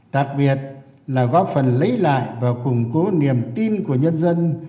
đặc biệt là góp phần lấy lại và củng cố niềm tin của nhân dân